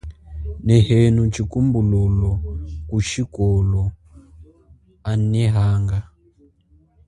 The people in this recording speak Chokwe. Nehenu chikumbululo ku chikulo anehanga.